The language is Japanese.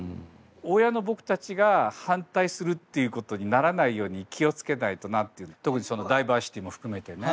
親の僕たちが反対するっていうことにならないように気を付けないとなって特にダイバーシティーも含めてね